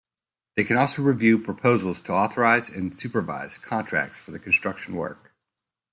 They can also review proposals to authorize and supervise contracts for the construction work.